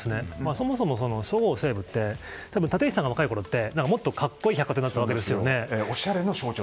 そもそもそごう・西武って立石さんが若いころはもっと格好いい百貨店でしたよね。